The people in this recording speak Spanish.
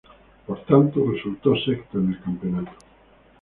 Por tanto, resultó sexto en el campeonato.